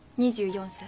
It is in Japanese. ２４歳。